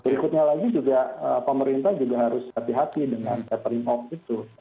berikutnya lagi juga pemerintah juga harus hati hati dengan catering off itu